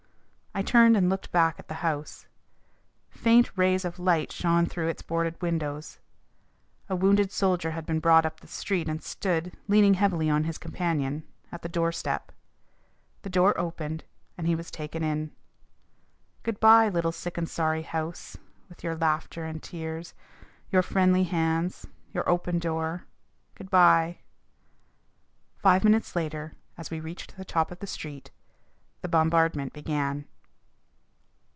I turned and looked back at the house. Faint rays of light shone through its boarded windows. A wounded soldier had been brought up the street and stood, leaning heavily on his companion, at the doorstep. The door opened, and he was taken in. Good bye, little "sick and sorry" house, with your laughter and tears, your friendly hands, your open door! Good bye! Five minutes later, as we reached the top of the Street, the bombardment began.